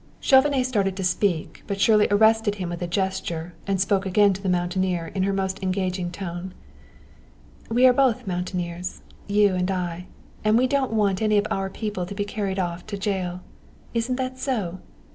Chauvenet started to speak, but Shirley arrested him with a gesture, and spoke again to the mountaineer in her most engaging tone: "We are both mountaineers, you and I, and we don't want any of our people to be carried off to jail. Isn't that so?